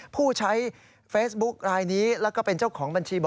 ผู้ใช้เฟซบุ๊คลายนี้แล้วก็เป็นเจ้าของบัญชี